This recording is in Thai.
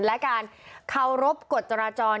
และการเคารพกฎจราจร